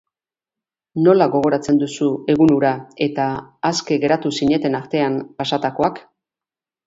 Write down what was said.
Nola gogoratzen duzu egun hura eta aske geratu zineten artean pasatakoak?